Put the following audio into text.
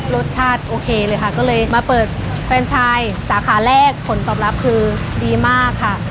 รสชาติโอเคเลยค่ะก็เลยมาเปิดแฟนชายสาขาแรกผลตอบรับคือดีมากค่ะ